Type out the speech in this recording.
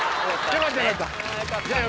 よかったよかった。